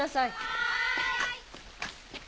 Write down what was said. はい！